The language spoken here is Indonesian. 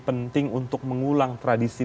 penting untuk mengulang tradisi